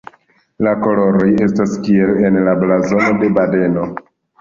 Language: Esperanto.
La koloroj estas kiel en la blazono de Badeno.